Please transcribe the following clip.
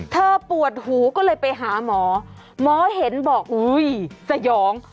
ปวดหูก็เลยไปหาหมอหมอเห็นบอกอุ้ยสยอง